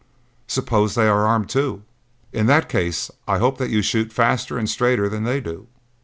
"Suppose they are armed too?" "In that case I hope that you shoot faster and straighter than they do.